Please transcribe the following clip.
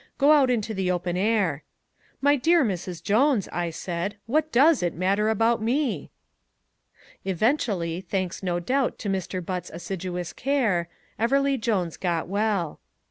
'Go out into the open air.' 'My dear Mrs. Jones,' I said, 'what DOES it matter about me?'" Eventually, thanks no doubt to Mr. Butt's assiduous care, Everleigh Jones got well.